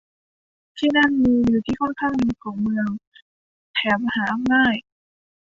ที่นั่นมีวิวที่ค่อนข้างดีของเมือง แถมหาง่าย